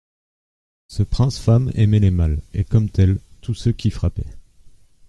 Ce prince femme aimait les mâles, et, comme tels, tous ceux qui frappaient.